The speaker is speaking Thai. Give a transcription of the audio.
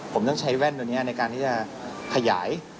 ผมต้องใช้แว่นตัวนี้ในการที่จะขยาย